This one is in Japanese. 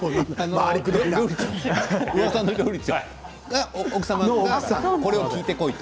あの方の奥様がこれを聞いてこいと。